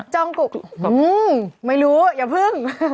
จ้องกุกไม่รู้อย่าพึ่ง